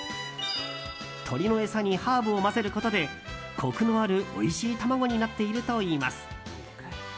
鶏の餌にハーブを混ぜることでコクのあるおいしい卵になっているといいます。